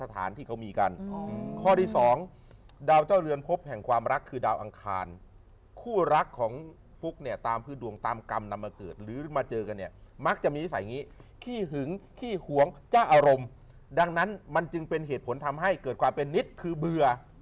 สถานที่เขามีกันข้อที่สองดาวเจ้าเรือนพบแห่งความรักคือดาวอังคารคู่รักของฟุกเนี่ยตามพื้นดวงตามกรรมนำมาเกิดหรือมาเจอกันเนี่ยมักจะมีนิสัยอย่างนี้ขี้หึงขี้หวงเจ้าอารมณ์ดังนั้นมันจึงเป็นเหตุผลทำให้เกิดความเป็นนิดคือเบื่อ